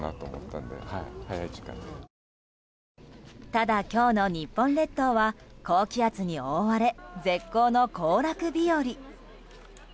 ただ、今日の日本列島は高気圧に覆われ絶好の行楽日和。